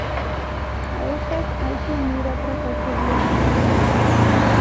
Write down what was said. A estas hay que unir otras ocho vías muertas.